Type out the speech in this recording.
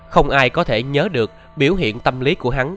không ai có thể nhớ được biểu hiện tâm lý của hắn